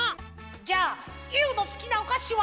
じゃあユーのすきなおかしは？